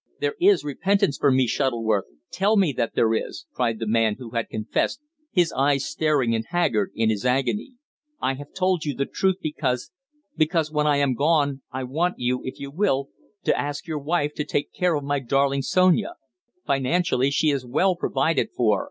"There is repentance for me, Shuttleworth tell me that there is!" cried the man who had confessed, his eyes staring and haggard in his agony. "I have told you the truth because because when I am gone I want you, if you will, to ask your wife to take care of my darling Sonia. Financially, she is well provided for.